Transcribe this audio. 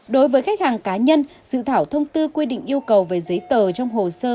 đối với khách hàng cá nhân dự thảo thông tư quy định yêu cầu về giấy tờ trong hồ sơ